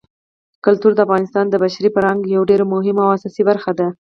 کلتور د افغانستان د بشري فرهنګ یوه ډېره مهمه او اساسي برخه ده.